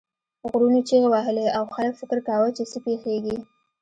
غرونو چیغې وهلې او خلک فکر کاوه چې څه پیښیږي.